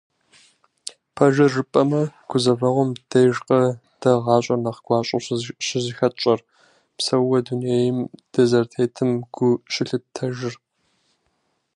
Пэжыр жыпӀэмэ, гузэвэгъуэм дежкъэ дэ гъащӀэр нэхъ гуащӀэу щызыхэтщӀэр, псэууэ дунейм дызэрытетым гу щылъыттэжыр?